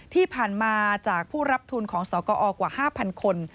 ที่ผ่านมาจากผู้รับทุนของสกอกว่า๕๐๐คน